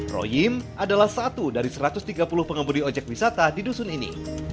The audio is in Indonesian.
royim adalah satu dari satu ratus tiga puluh pengemudi ojek wisata di dusun ini